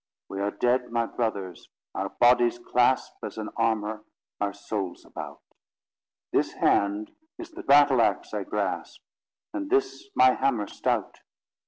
We are dead, my brothers! Our bodies clasp, As an armour, our souls about; This hand is the battle axe I grasp, And this my hammer stout.